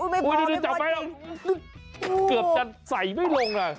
ไม่พอไม่พอจริงอุ๊ยอุ๊ยเกือบจะใส่ไม่ลงน่ะ